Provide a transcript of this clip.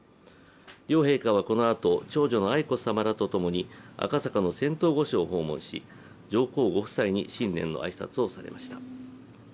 両陛下はこのあと、長女の愛子さまとともに赤坂の仙洞御所を訪問し、上皇ご夫妻に新年の挨拶をされました。